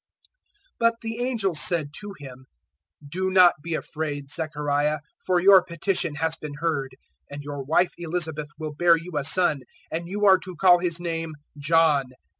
001:013 But the angel said to him, "Do not be afraid, Zechariah, for your petition has been heard: and your wife Elizabeth will bear you a son, and you are to call his name John.